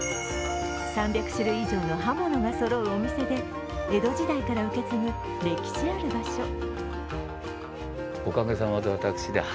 ３００種類以上の刃物がそろうお店で江戸時代から受け継ぐ歴史ある場所。